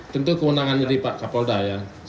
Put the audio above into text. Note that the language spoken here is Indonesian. tentu kewenangan dari pak kapolda ya